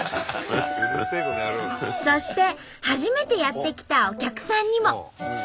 そして初めてやって来たお客さんにも。